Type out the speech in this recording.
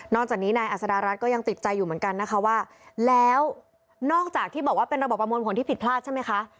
จากนี้นายอัศดารัฐก็ยังติดใจอยู่เหมือนกันนะคะว่าแล้วนอกจากที่บอกว่าเป็นระบบประมวลผลที่ผิดพลาดใช่ไหมคะ